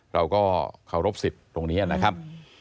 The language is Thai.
เราก็เคารพสิทธิ์ตรงนี้นะครับ